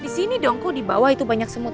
di sini dong kok di bawah itu banyak semut